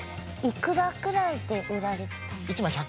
いくらくらいで売られてたんですか？